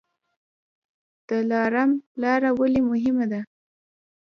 دلارام لاره ولې مهمه ده؟